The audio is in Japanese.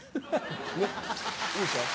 ねっいいでしょ？